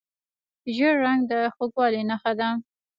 ژیړ رنګ د خوږوالي نښه ده.